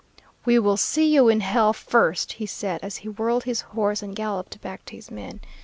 "'We will see you in hell first!' he said, as he whirled his horse and galloped back to his men.